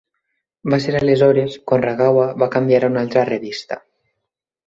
Va ser aleshores quan Ragawa va canviar a una altra revista.